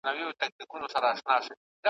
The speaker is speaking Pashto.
درزهار وو د توپکو د توپونو `